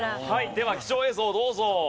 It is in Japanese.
では貴重映像どうぞ。